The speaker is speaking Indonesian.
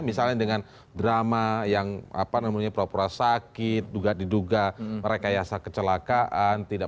misalnya dengan drama yang apa namanya pura pura sakit juga diduga rekayasa kecelakaan